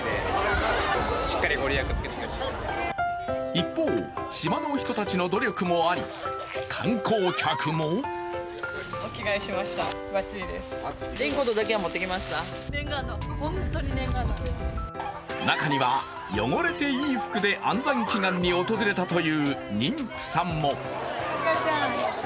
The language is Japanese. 一方、島の人たちの努力もあり観光客も中には、汚れていい服で安産祈願に訪れたという妊婦さんも。